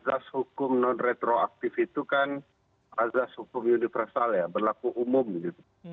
azas hukum non retroaktif itu kan azas hukum universal ya berlaku umum gitu